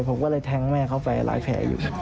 ผมก็เลยแทงแม่เขาไปหลายแผลอยู่